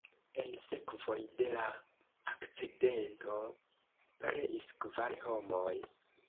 En sekvoj de la akcidento pereis kvar homoj.